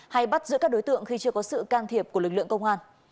hay bắt giữ các đối tượng khi chưa có sự can thiệp của lực lượng công an